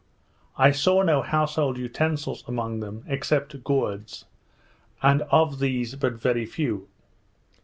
I saw no household utensils among them, except gourds, and of these but very few.